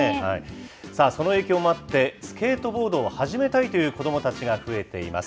さあ、その影響もあって、スケートボードを始めたいという子どもたちが増えています。